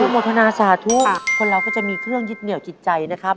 โมทนาสาธุคนเราก็จะมีเครื่องยึดเหนียวจิตใจนะครับ